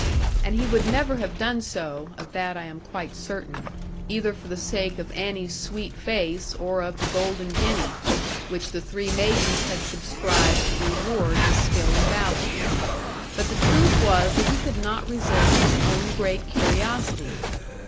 And he would never have done so (of that I am quite certain), either for the sake of Annie's sweet face, or of the golden guinea, which the three maidens had subscribed to reward his skill and valour. But the truth was that he could not resist his own great curiosity.